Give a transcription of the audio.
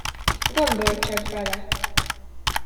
Gondolj csak bele.